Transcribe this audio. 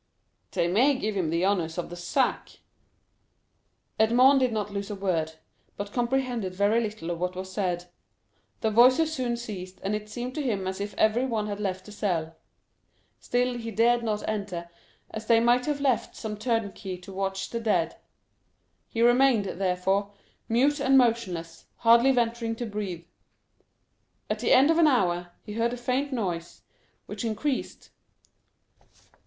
"They may give him the honors of the sack." Edmond did not lose a word, but comprehended very little of what was said. The voices soon ceased, and it seemed to him as if everyone had left the cell. Still he dared not to enter, as they might have left some turnkey to watch the dead. He remained, therefore, mute and motionless, hardly venturing to breathe. At the end of an hour, he heard a faint noise, which increased.